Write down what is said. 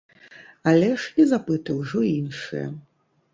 Але ж і запыты ўжо іншыя.